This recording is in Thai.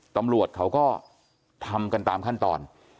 ตำรวจเขาก็ทำกันตามขั้นตอน